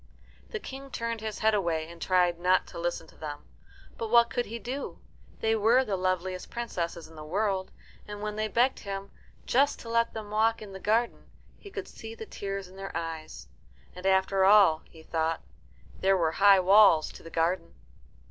The King turned his head away and tried not to listen to them. But what could he do? They were the loveliest princesses in the world, and when they begged him just to let them walk in the garden he could see the tears in their eyes. And after all, he thought, there were high walls to the garden.